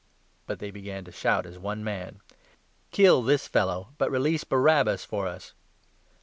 But they began to shout as one man :" Kill this fellow, but release Barabbas for us."